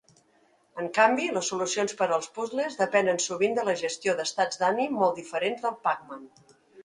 En canvi, les solucions per als puzles depenen sovint de la gestió d'Estats d'ànim molt diferents del Pac-Man.